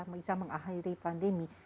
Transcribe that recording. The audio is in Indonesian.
bisa mengakhiri pandemi